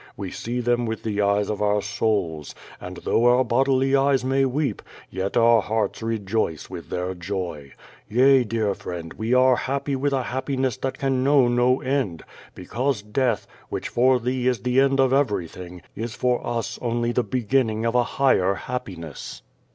We see them with the eyes of our souls, and though our bodily eyes may weep, yet our hearts rejoice with their joy. Yea, dear friend, we are happy with a happiness that can know no end, because death, which for thee is the end of everything, is for us only the beginning of a higher happiness.